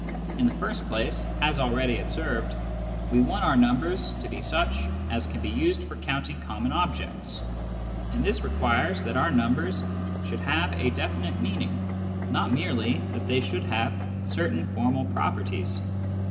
In the second place, as already observed, we want our numbers to be such as can be used for counting common objects, and this requires that our numbers should have, a definite meaning, not merely that they should have certain formal properties.